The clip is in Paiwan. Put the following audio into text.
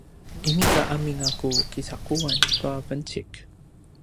inika amin a ku kicaquan tua vencik